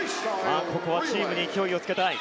ここはチームに勢いをつけたい。